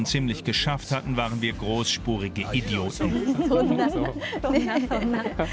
そんな、そんな。